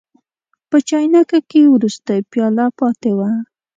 په چاینکه کې وروستۍ پیاله پاتې وه.